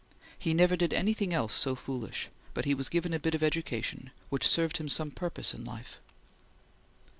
He never did anything else so foolish but he was given a bit of education which served him some purpose in life.